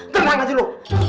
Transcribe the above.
terang aja lu